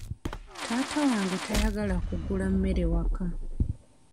Taata wange tayagala kugula mmere waka.